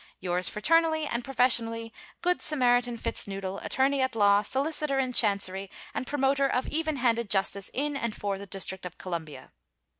"Yours Fraternally and professionally, Good Samaritan Fitznoodle, Attorney at Law, Solicitor in Chancery, and Promotor of Even handed Justice in and for the District of Columbia."